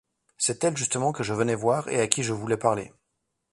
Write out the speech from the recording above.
C'est elle justement que je venais voir et à qui je voulais parler.